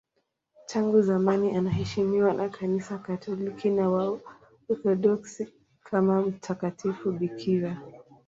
Tangu zamani anaheshimiwa na Kanisa Katoliki na Waorthodoksi kama mtakatifu bikira.